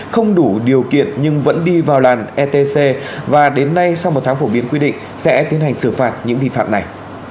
không đủ điều kiện nhưng vẫn đi vào làn etc và đến nay sau một tháng phổ biến quy định sẽ tiến hành xử phạt những vi phạm này